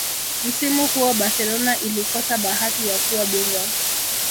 msimu huo barcelona ilikosa bahati ya kuwa bingwa